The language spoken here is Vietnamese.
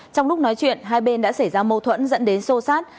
trong lúc nói chuyện hai bên đã xảy ra mâu thuẫn dẫn đến xô xát